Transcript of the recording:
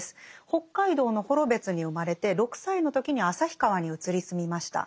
北海道の幌別に生まれて６歳の時に旭川に移り住みました。